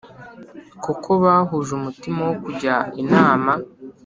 Kuko bahuje umutima wo kujya inama